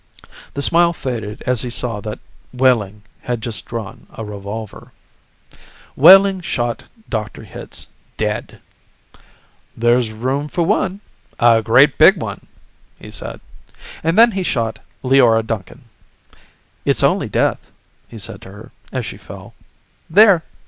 The smile faded as he saw that Wehling had just drawn a revolver. Wehling shot Dr. Hitz dead. "There's room for one a great big one," he said. And then he shot Leora Duncan. "It's only death," he said to her as she fell. "There!